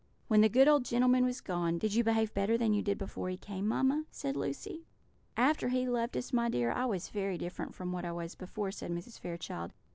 "When the good old gentleman was gone, did you behave better than you did before he came, mamma?" said Lucy. "After he left us, my dear, I was very different from what I was before," said Mrs. Fairchild.